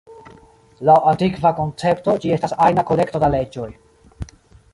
Laŭ antikva koncepto, ĝi estas ajna kolekto da leĝoj.